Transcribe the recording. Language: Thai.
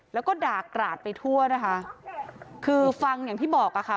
แล้วก็ด่ากราดไปทั่วนะคะคือฟังอย่างที่บอกอ่ะค่ะ